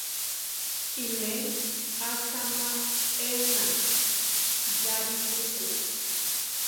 I ne achama ena; yari juku.